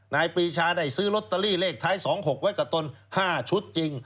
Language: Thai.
ปรีชาได้ซื้อลอตเตอรี่เลขท้าย๒๖ไว้กับตน๕ชุดจริง